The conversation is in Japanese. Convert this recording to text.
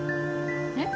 えっ？